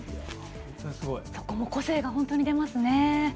個性が本当に出ますね。